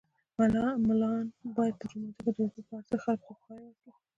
ملان باید په جوماتو کې د اوبو په ارزښت خلکو ته پوهاوی ورکړي